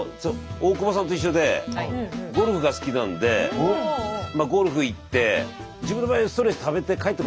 大久保さんと一緒でゴルフが好きなんでゴルフ行って自分の場合はストレスためて帰ってこないですね。